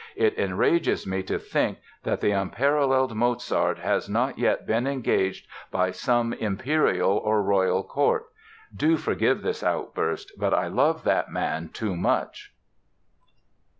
It enrages me to think that the unparalleled Mozart has not yet been engaged by some imperial or royal court. Do forgive this outburst but I love that man too much."